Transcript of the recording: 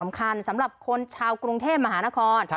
สำหรับคนชาวกรุงเทพมหานคร